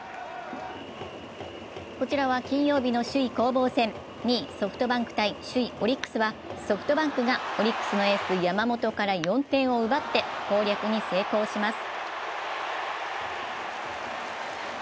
こちらは金曜日の首位攻防戦、２位・ソフトバンク×首位・オリックスは、ソフトバンクがオリックスのエース・山本から４点を奪って攻略に成功します。